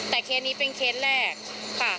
แต่เคสนี้เป็นเคสแรกค่ะ